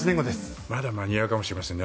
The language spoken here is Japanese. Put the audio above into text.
まだ間に合うかもしれませんね。